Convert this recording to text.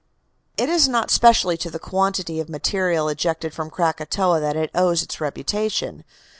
It is not specially to the quantity of material ejected from Krakatoa that it owes its reputation.